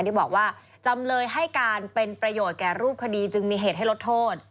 ที่บอกว่าจำเลยให้การเป็นประโยชน์แก่รูปคดีจึงมีเหตุให้ลดโทษ